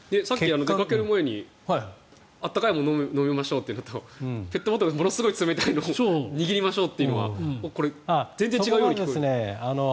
出かける前に温かいものを飲みましょうというのとペットボトルものすごい冷たいのを握りましょうというのはこれ、全然違うように聞こえますが。